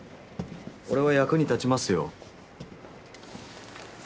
俺は役に立ちますよ。